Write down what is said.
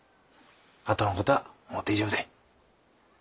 あとの事はもう大丈夫でい。